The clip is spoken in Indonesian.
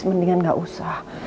mendingan gak usah